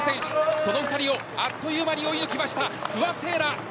その２人をあっという間に追い抜きました、不破聖衣来。